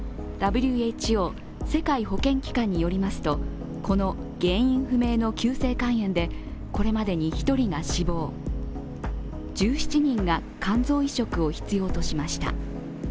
ＷＨＯ＝世界保健機関によりますとこの原因不明の急性肝炎で、これまでに１人が死亡１７人が肝臓移植を必要としました。